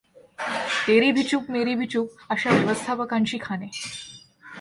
तेरी भी चूप मेरी भी चूप! अशा व्यवस्थापकांची ‘खाने.